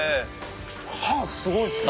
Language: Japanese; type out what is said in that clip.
歯すごいですね。